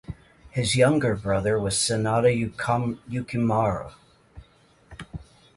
His younger brother was Sanada Yukimura.